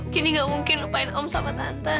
kini gak mungkin lupain om sama tante